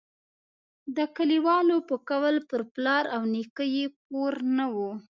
د کلیوالو په قول پر پلار او نیکه یې پور نه وو.